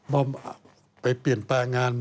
ว่าไปเปลี่ยนแปลงงาน